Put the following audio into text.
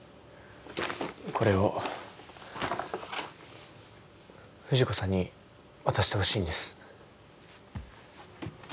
これを藤子さんに渡してほしいんです。